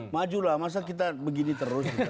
majulah masa kita begini terus